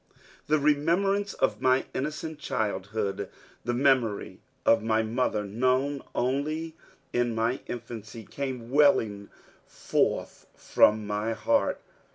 The remembrance of my innocent childhood, the memory of my mother, known only in my infancy, came welling forth from my heart.